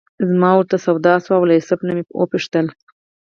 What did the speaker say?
زما ورته سودا شوه او له یوسف نه مې وپوښتل.